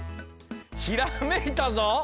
ひらめいたぞ！